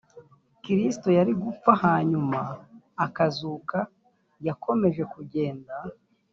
kristo yari gupfa hanyuma akazuka yakomeje kugenda